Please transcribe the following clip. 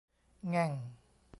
แง่ง !